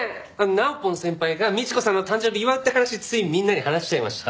なおぽん先輩が倫子さんの誕生日祝うって話ついみんなに話しちゃいました。